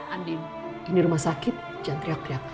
andi ini rumah sakit jangan teriak teriak